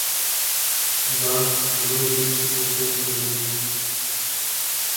باغ الو غيي ،وطن بيلرغو.